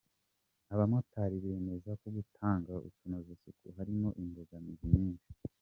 Abamotari bemeza ko gutanga utunozasuku harimo imbogamizi nyinshi